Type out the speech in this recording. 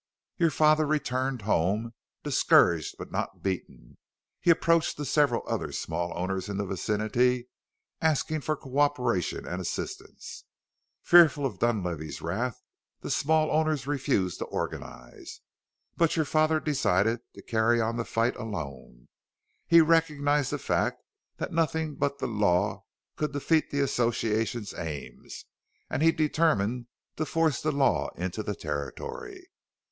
"Your father returned home, discouraged but not beaten. He approached the several other small owners in the vicinity, asking for co operation and assistance. Fearful of Dunlavey's wrath, the small owners refused to organize. But your father decided to carry on the fight alone. He recognized the fact that nothing but the Law could defeat the association's aims, and he determined to force the Law into the Territory.